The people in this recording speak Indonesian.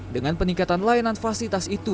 dengan peningkatan layanan fasilitas itu